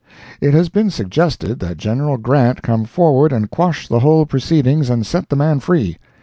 It has been suggested that Gen. Grant come forward and quash the whole proceedings and set the man free.